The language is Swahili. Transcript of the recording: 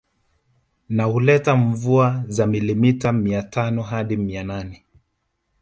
Na huleta mvua za milimita mia tano hadi mia nane